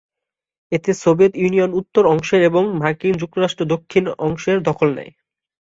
এতে Soviet Union উত্তর অংশের এবং মার্কিন যুক্তরাষ্ট্র দক্ষিণ অংশের দখল নেয়।